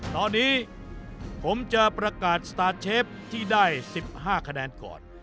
ตอนนี้ผมจะประกาศสตาร์ทเชฟที่ได้๑๕คะแนนก่อน